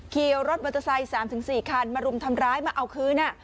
เคี่ยวรถมัตตาไซส์๓๔คันมารุมทำร้ายมาเอาคืน